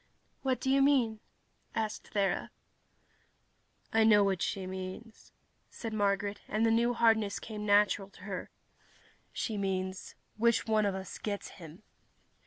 "What do you mean?" asked Thera. "I know what she means," said Marguerite, and the new hardness came natural to her. "She means, which one of us gets him?"